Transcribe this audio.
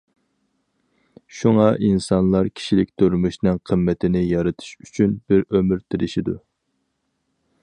شۇڭا، ئىنسانلار كىشىلىك تۇرمۇشنىڭ قىممىتىنى يارىتىش ئۈچۈن بىر ئۆمۈر تىرىشىدۇ.